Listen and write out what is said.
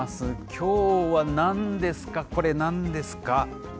きょうは何ですか、これ、なんですか？